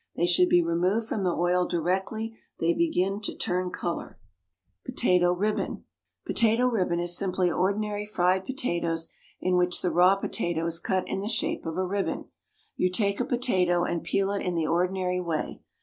They should be removed from the oil directly they begin to turn colour. POTATO RIBBON. Potato ribbon is simply ordinary fried potatoes, in which the raw potato is cut in the shape of a ribbon. You take a potato and peel it in the ordinary way.